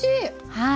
はい。